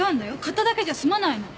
買っただけじゃ済まないの。